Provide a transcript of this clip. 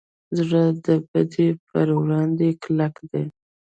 زړه د بدۍ پر وړاندې کلک دی.